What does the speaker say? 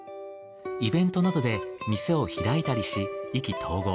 イベントなどで店を開いたりし意気投合。